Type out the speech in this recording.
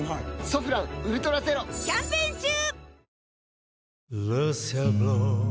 「ソフランウルトラゼロ」キャンペーン中！